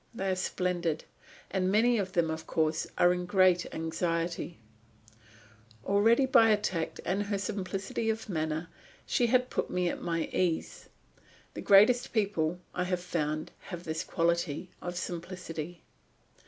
They are splendid. And many of them, of course, are in great anxiety." Already, by her tact and her simplicity of manner, she had put me at my ease. The greatest people, I have found, have this quality of simplicity.